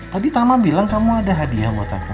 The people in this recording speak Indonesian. tadi tama bilang kamu ada hadiah mau tanya